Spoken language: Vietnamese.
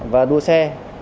và đua xe